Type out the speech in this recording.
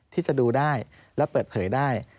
ที่จะดูได้และเปิดเผยได้